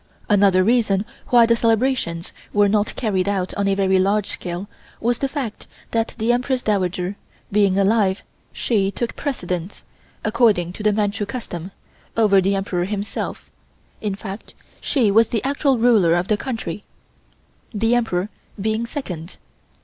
Another reason why the celebrations were not carried out on a very large scale was the fact that the Empress Dowager, being alive, she took precedence, according to the Manchu custom, over the Emperor himself, in fact she was the actual ruler of the country, the Emperor being second.